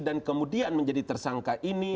dan kemudian menjadi tersangka ini